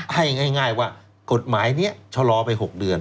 ให้ง่ายว่ากฎหมายนี้ชะลอไป๖เดือน